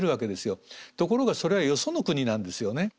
ところがそれはよその国なんですよね。